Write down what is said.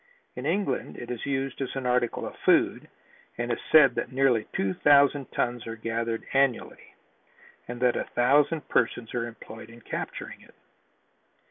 In England it is used as an article of food and it is said that nearly two thousand tons are gathered annually and that a thousand persons are employed in capturing it.